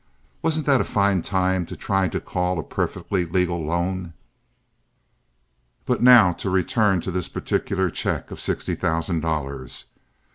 Wasn't that a fine time to try to call a perfectly legal loan? "But now to return to this particular check of sixty thousand dollars.